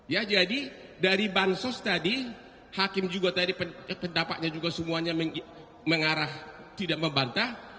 ya jadi dari bansos tadi hakim juga tadi pendapatnya juga semuanya mengarah tidak membantah